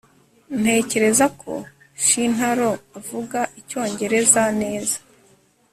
Ntekereza ko Shintaro avuga icyongereza neza